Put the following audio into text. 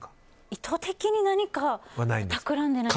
意図的に何かはたくらんでないです。